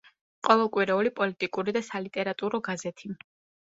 ყოველკვირეული პოლიტიკური და სალიტერატურო გაზეთი.